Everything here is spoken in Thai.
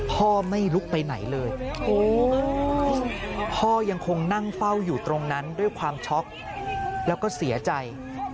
พ่อไม่ลุกไปไหนเลยพ่อยังคงนั่งเฝ้าอยู่ตรงนั้นด้วยความช็อกแล้วก็เสียใจ